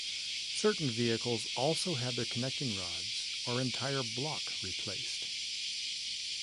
Certain vehicles also had their connecting rods or entire block replaced.